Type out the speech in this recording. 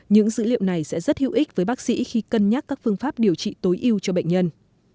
những dữ liệu này sẽ rất hữu ích với bác sĩ khi cân nhắc các phương pháp điều trị tối ưu cho bệnh nhân